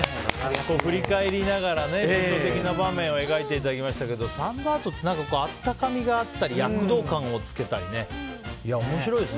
振り返りながら印象的な場面を描いていただきましたけどサンドアートってあったかみがあったり躍動感をつけたりね。